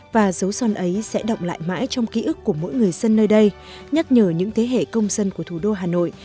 và dấu son ấy sẽ động lại mãi trong ký ức của mỗi người dân nơi đây nhắc nhở những thế hệ công dân của thủ đô hà nội